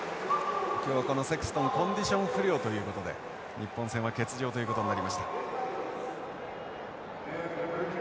今日このセクストンコンディション不良ということで日本戦は欠場ということになりました。